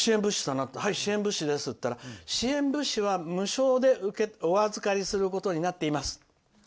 はい、支援物資ですって言ったら支援物資は無償でお預かりすることになっています。